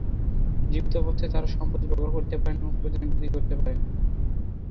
জীবিত অবস্থায় তাঁরা সম্পত্তি ব্যবহার করতে পারেন এবং প্রয়োজনে বিক্রি করতে পারেন।